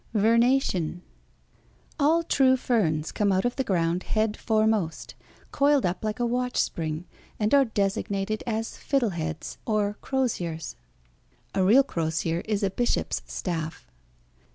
] VERNATION All true ferns come out of the ground head foremost, coiled up like a watch spring, and are designated as "fiddle heads," or crosiers. (A real crosier is a bishop's staff.)